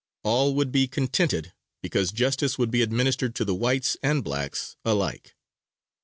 All would be contented because justice would be administered to the whites and blacks alike.